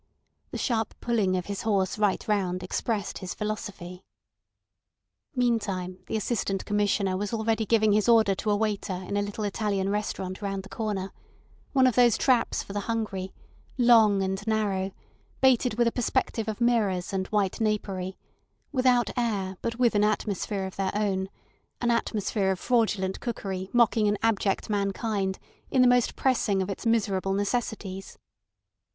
The sharp pulling of his horse right round expressed his philosophy. Meantime the Assistant Commissioner was already giving his order to a waiter in a little Italian restaurant round the corner—one of those traps for the hungry, long and narrow, baited with a perspective of mirrors and white napery; without air, but with an atmosphere of their own—an atmosphere of fraudulent cookery mocking an abject mankind in the most pressing of its miserable necessities.